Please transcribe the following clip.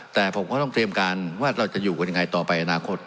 แต่ผมก็ต้องเตรียมการว่าเราจะอยู่กันยังไงต่อไปอนาคต